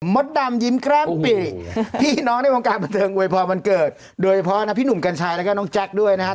ดำยิ้มแก้มปิพี่น้องในวงการบันเทิงอวยพรวันเกิดโดยเฉพาะนะพี่หนุ่มกัญชัยแล้วก็น้องแจ๊คด้วยนะครับ